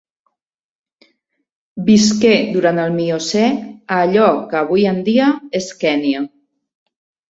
Visqué durant el Miocè a allò que avui en dia és Kenya.